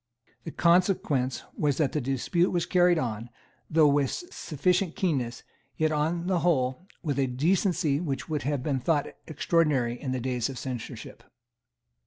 The consequence was that the dispute was carried on, though with sufficient keenness, yet, on the whole, with a decency which would have been thought extraordinary in the days of the censorship.